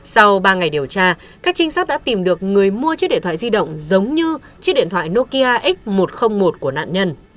sau ba ngày điều tra các trinh sát đã tìm được người mua chiếc điện thoại di động giống như chiếc điện thoại nokia x một trăm linh một của nạn nhân